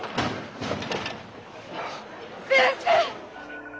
先生！